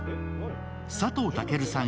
佐藤健さん